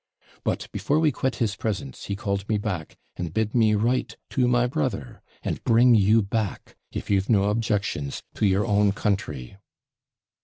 But, before we quit his presence, he called me back, and bid me write to my brother, and bring you back, if you've no objections, to your own country.